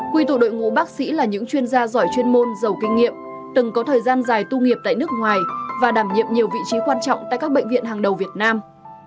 quy tụ đội ngũ bác sĩ là những chuyên gia giỏi chuyên môn giàu kinh nghiệm từng có thời gian dài tu nghiệp tại nước ngoài và đảm nhiệm nhiều vị trí quan trọng tại các bệnh viện hàng đầu việt nam